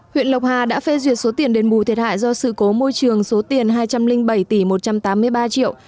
huyện lộc hà đã phê duyệt số tiền đền bù thiệt hại do sự cố môi trường số tiền hai trăm linh bảy tỷ một trăm tám mươi ba triệu